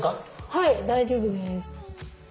はい大丈夫です。